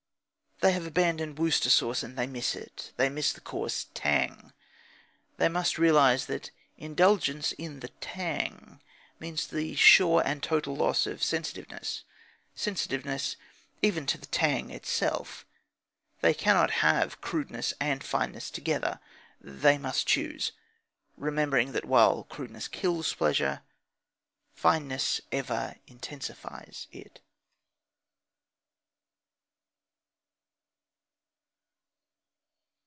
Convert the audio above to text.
They have abandoned Worcester sauce, and they miss it. They miss the coarse tang. They must realise that indulgence in the tang means the sure and total loss of sensitiveness sensitiveness even to the tang itself. They cannot have crudeness and fineness together. They must choose, remembering that while crudeness kills pleasure, fineness ever intensifies it.